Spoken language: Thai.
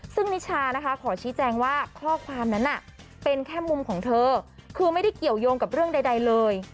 ซึ่งนิชานะคะขอชี้แจงว่าข้อความนั้นเป็นแค่มุมของเธอคือไม่ได้เกี่ยวยงกับเรื่องใดเลย